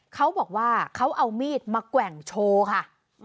เขาบอกว่าเขาเอามีดมาแกว่งโชว์ค่ะ